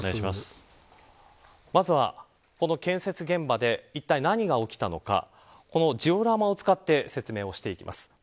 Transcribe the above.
まずはこの建設現場でいったい何が起こったのかジオラマを使って説明していきます。